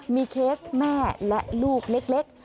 มีเคสแม่และลูกเล็ก